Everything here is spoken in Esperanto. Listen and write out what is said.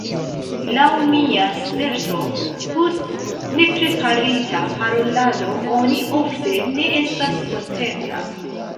Laŭ mia sperto, post nepreparita parolado oni ofte ne estas kontenta.